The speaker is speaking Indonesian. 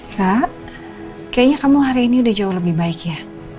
saat kayaknya kamu hari ini udah jauh lebih baik ya